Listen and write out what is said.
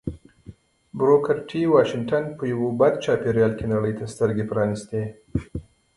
بروکر ټي واشنګټن په یوه بد چاپېريال کې نړۍ ته سترګې پرانيستې